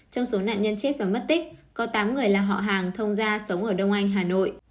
trong số nạn nhân chết và mất tích có tám người là họ hàng thông gia sống ở đông anh hà nội